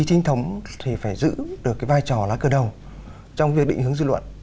vì trinh thống thì phải giữ được cái vai trò lá cờ đầu trong việc định hướng dư luận